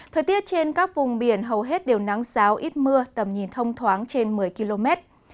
thời tiết trên các vùng biển hầu hết đều nắng giáo ít mưa tầm nhìn thông thoáng trên một mươi km